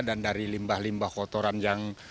dan dari limbah limbah kotoran yang